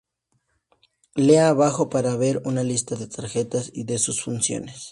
Lea abajo para ver una lista de tarjetas y de sus funciones.